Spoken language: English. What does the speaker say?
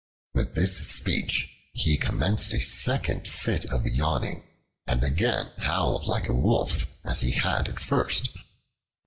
With this speech he commenced a second fit of yawning and again howled like a wolf, as he had at first.